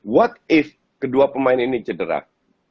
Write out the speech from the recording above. what if kedua pemain ini cedera